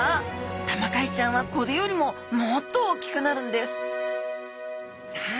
タマカイちゃんはこれよりももっとおっきくなるんですさあ